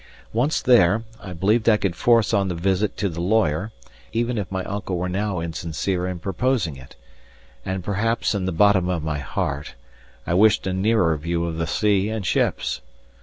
Once there, I believed I could force on the visit to the lawyer, even if my uncle were now insincere in proposing it; and, perhaps, in the bottom of my heart, I wished a nearer view of the sea and ships.